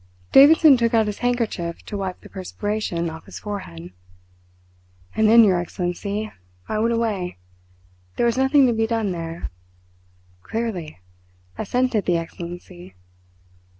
Davidson took out his handkerchief to wipe the perspiration off his forehead. "And then, your Excellency, I went away. There was nothing to be done there." "Clearly!" assented the Excellency.